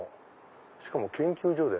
しかも研究所で？